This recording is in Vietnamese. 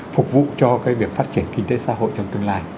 phục vụ cho việc phát triển kinh tế xã hội trong tương lai